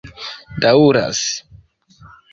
daŭras